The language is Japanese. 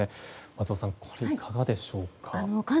松尾さん、いかがでしょうか。